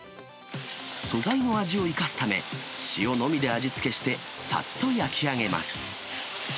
素材の味を生かすため、塩のみで味付けして、さっと焼き上げます。